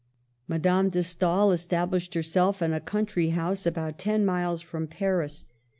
Madame de Stael established herself in a coun try house about ten miles from Paris.